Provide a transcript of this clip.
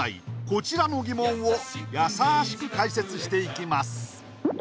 こちらの疑問をやさしく解説していきます